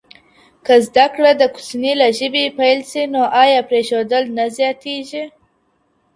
که زده کړه د کوچنی له ژبي پیل سي نو ایا پرېښودل نه زیاتېږي.